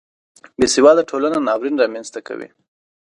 بې سواده ټولنه ناورین رامنځته کوي